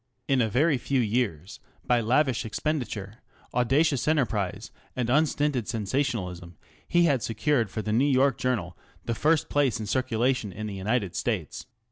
In a very few years, by lavish expenditure, audacious enterprise, and unstinted sensationalism he had secured for the New York Journal the first place in circulation in the United States.